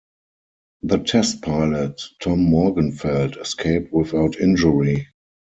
The test pilot, Tom Morgenfeld, escaped without injury.